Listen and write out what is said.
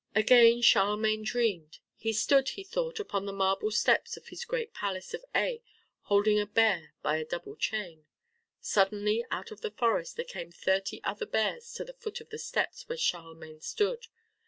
Again Charlemagne dreamed. He stood, he thought, upon the marble steps of his great palace of Aix holding a bear by a double chain. Suddenly out of the forest there came thirty other bears to the foot of the steps where Charlemagne stood.